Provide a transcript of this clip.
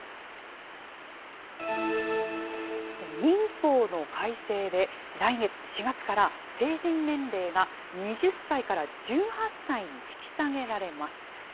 民法の改正で、来月・４月から、成人年齢が２０歳から１８歳に引き下げられます。